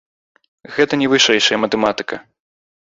Гэта не вышэйшая матэматыка.